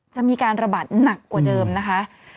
จะมีการระบาดหนักกว่าเดิมนะคะ